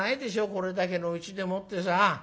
これだけのうちでもってさ。